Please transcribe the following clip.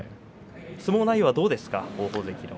相撲内容はどうですか。